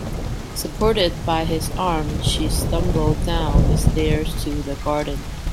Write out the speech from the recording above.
Supported by his arm she stumbled down the stairs to the garden.